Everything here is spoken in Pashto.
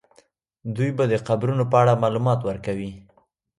دوی به د قبرونو په اړه معلومات ورکوي.